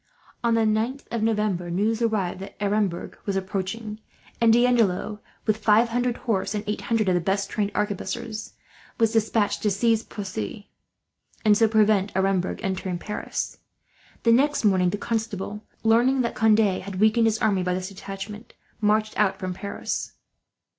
On the 9th of November news arrived that Aremberg was approaching, and D'Andelot, with five hundred horse and eight hundred of the best trained arquebusiers, was despatched to seize Poissy, and so prevent Aremberg entering Paris. The next morning the Constable, learning that Conde had weakened his army by this detachment, marched out from Paris.